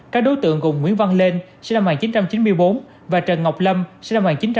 các đối tượng gồm nguyễn văn lên xe năm nghìn chín trăm chín mươi bốn và trần ngọc lâm xe năm nghìn chín trăm chín mươi chín